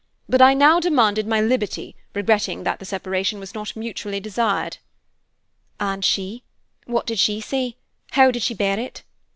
But now I demanded my liberty, regretting that the separation was not mutually desired." "And she what did she say? How did she bear it?"